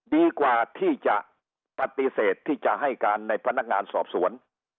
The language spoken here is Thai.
ดีกว่าที่จะปฏิเสธที่จะให้การในพนักงานสอบสวน